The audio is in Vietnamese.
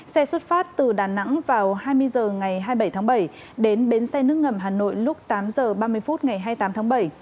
xe xuất phát từ đà nẵng vào hai mươi h ngày hai mươi bảy tháng bảy đến bến xe nước ngầm hà nội lúc tám h ba mươi phút ngày hai mươi tám tháng bảy